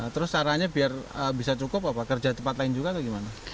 terus caranya biar bisa cukup apa kerja tempat lain juga atau gimana